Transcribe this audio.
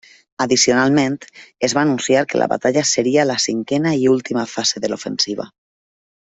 Addicionalment, es va anunciar que la batalla seria la cinquena i última fase de l'ofensiva.